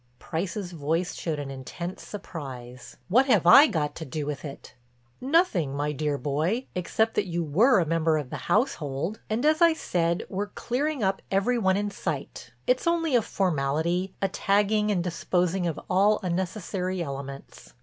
_" Price's voice showed an intense surprise. "What have I got to do with it?" "Nothing, my dear boy, except that you were a member of the household, and as I said, we're clearing up every one in sight. It's only a formality, a tagging and disposing of all unnecessary elements.